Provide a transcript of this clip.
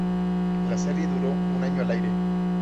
La serie duró un año al aire.